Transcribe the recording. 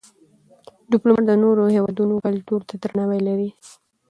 ډيپلومات د نورو هېوادونو کلتور ته درناوی لري.